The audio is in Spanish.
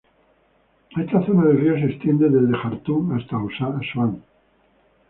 Esta zona del río se extiende desde Jartum hasta Asuán.